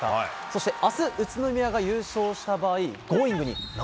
そして、あす、宇都宮が優勝した場合、Ｇｏｉｎｇ！